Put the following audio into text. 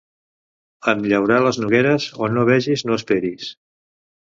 En llaurar les nogueres, on no vegis no esperis.